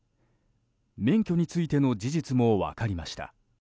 免許についての事実も分かりました。